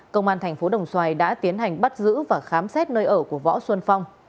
công an thành phố đồng xoài đã tiến hành bắt giữ và khám xét nơi ở của võ xuân phong